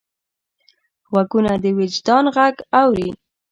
غوږونه د وجدان غږ اوري